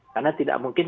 karena tidak mungkin